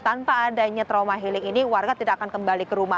tanpa adanya trauma healing ini warga tidak akan kembali ke rumah